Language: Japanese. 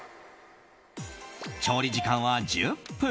調理時間は１０分。